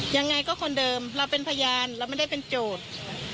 ยังไงก็คนเดิมเราเป็นพยานเราไม่ได้เป็นโจทย์